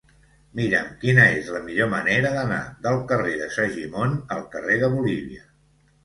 Mira'm quina és la millor manera d'anar del carrer de Segimon al carrer de Bolívia.